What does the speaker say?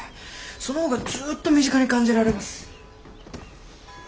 その方がずっと身近に感じられます。